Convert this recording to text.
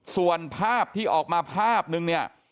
ส่วนภาพที่ออกมาภาพนึงเนี่ย